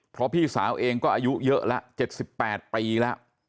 เพราะพี่สาวเองก็อายุเยอะละเจ็ดสิบแปดปีละ